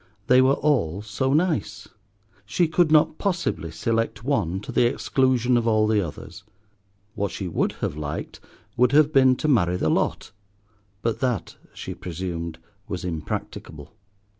They were all so nice. She could not possibly select one to the exclusion of all the others. What she would have liked would have been to marry the lot, but that, she presumed, was impracticable.